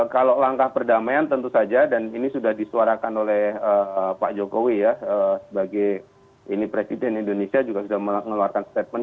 kalau langkah perdamaian tentu saja dan ini sudah disuarakan oleh pak jokowi ya sebagai ini presiden indonesia juga sudah mengeluarkan statement